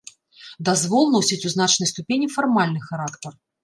Дазвол носіць у значнай ступені фармальны характар.